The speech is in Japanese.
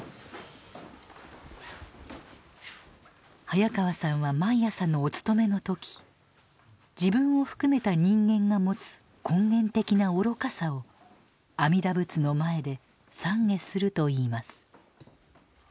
早川さんは毎朝のおつとめの時自分を含めた人間が持つ根源的な愚かさを阿弥陀仏の前で懺悔するといいます。